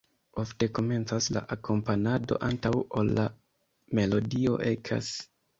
Ofte komencas la akompanado, antaŭ ol la melodio ekas.